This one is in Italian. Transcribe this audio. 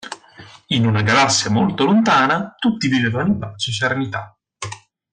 In una galassia molto lontana tutti vivevano in pace e serenità.